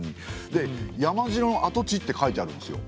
で「山城の跡地」って書いてあるんですよ。